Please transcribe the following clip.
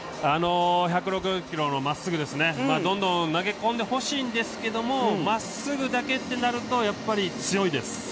１６０キロのまっすぐですね、どんどん投げ込んでほしいんですけど、まっすぐだけってなると、やっぱり強いです。